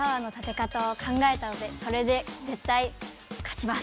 それでぜったい勝ちます。